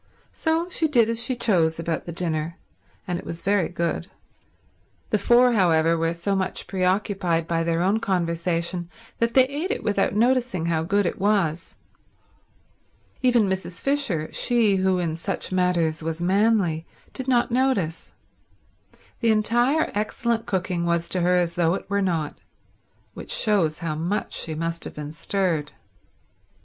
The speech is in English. So she did as she chose about the dinner, and it was very good. The four, however, were so much preoccupied by their own conversation that they ate it without noticing how good it was. Even Mrs. Fisher, she who in such matters was manly, did not notice. The entire excellent cooking was to her as though it were not; which shows how much she must have been stirred.